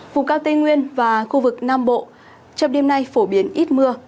vùng cao tây nguyên và khu vực nam bộ trong đêm nay phổ biến ít mưa